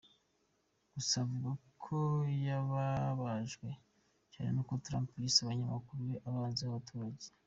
Gusa avuga ko yababajwe cyane n’uko Trump yise abanyamakuru be abanzi b’abaturage.